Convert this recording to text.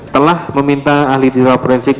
telah meminta ahli digital forensik